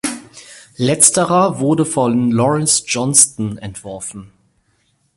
Letzterer wurde von Lawrence Johnston entworfen.